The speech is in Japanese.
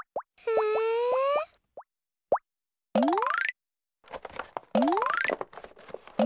うん？